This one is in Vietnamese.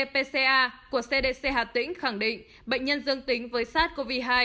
pca của cdc hà tĩnh khẳng định bệnh nhân dương tính với sars cov hai